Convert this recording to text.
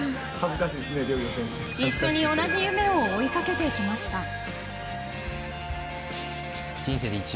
一緒に同じ夢を追いかけてきました。